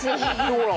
ほら。